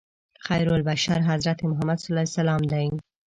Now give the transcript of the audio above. خیرالبشر حضرت محمد صلی الله علیه وسلم دی.